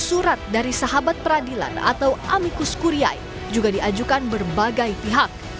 empat puluh tujuh surat dari sahabat peradilan atau amicus curiae juga diajukan berbagai pihak